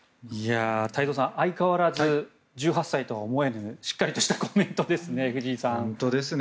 太蔵さん、相変わらず１８歳とは思えぬしっかりしたコメントですね。